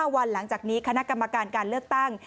วันหลังจากนี้คณะกรรมการการเลือกตั้ง